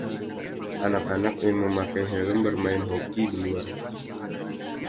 Anak-anak yang memakai helm bermain hoki di luar.